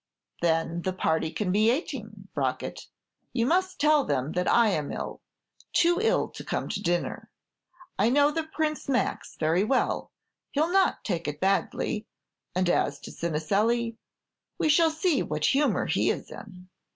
"Then the party can be eighteen, Brockett; you must tell them that I am ill, too ill to come to dinner. I know the Prince Max very well, he 'll not take it badly; and as to Cineselli, we shall see what humor he is in!"